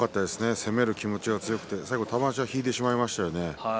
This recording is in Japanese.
攻める気持ちが強くて最後、玉鷲が引いてしまいましたよね。